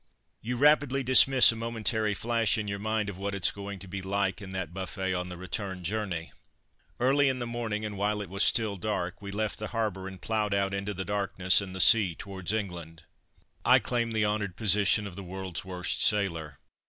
You rapidly dismiss a momentary flash in your mind of what it's going to be like in that buffet on the return journey. Early in the morning, and while it was still dark, we left the harbour and ploughed out into the darkness and the sea towards England. I claim the honoured position of the world's worst sailor.